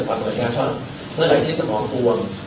เพราะสบายที่สมองควรปูน